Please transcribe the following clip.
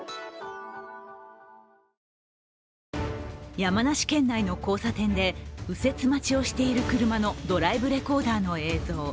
山梨県内の交差点で右折待ちをしている車のドライブレコーダーの映像。